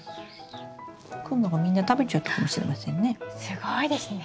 クモがみんな食べちゃったかもしれませんね。